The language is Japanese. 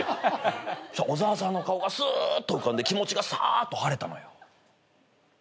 そしたら小沢さんの顔がすーっと浮かんで気持ちがさーっと晴れたのよ。